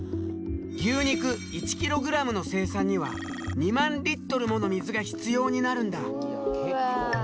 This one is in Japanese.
牛肉１キログラムの生産には２万リットルもの水が必要になるんだ。